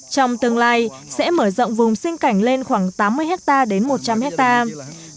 trong tương lai sẽ mở rộng vùng sinh cảnh lên khoảng tám mươi hectare đến một trăm linh hectare